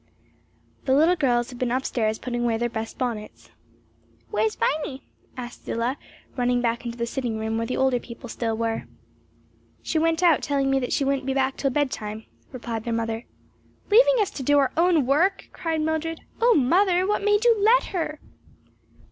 The little girls had been up stairs putting away their best bonnets. "Where's Viny?" asked Zillah, running back into the sitting room where the older people still were. "She went out telling me that she wouldn't be back till bedtime," replied the mother. "Leaving us to do our own work!" cried Mildred. "Oh, mother, what made you let her?"